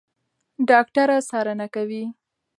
ډاکټره څارنه کوي.